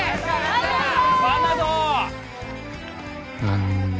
何だ？